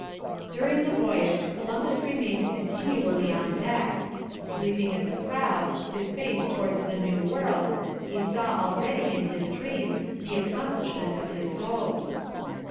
"During the voyage Columbus remained continually on deck. Sleeping at the prow, his face towards the new world, he saw already in his dreams the accomplishment of his hopes."